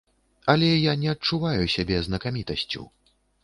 Але я не адчуваю сябе знакамітасцю.